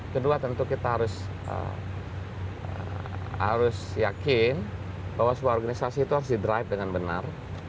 kedua tentu kita harus yakin bahwa sebuah organisasi itu harus di drive dengan benar